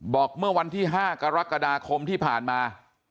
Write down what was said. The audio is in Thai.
บอกเมื่อวันที่๕กรกฎาคมที่ผ่านมา